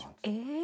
え！